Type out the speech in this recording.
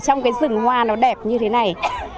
trong cái rừng hoa nó đẹp như thế này